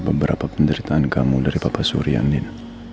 beberapa penderitaan kamu dari papa surya nin